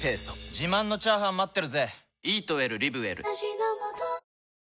自慢のチャーハン待ってるぜ！